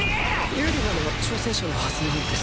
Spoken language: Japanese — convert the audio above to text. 有利なのは挑戦者のはずなんですけど。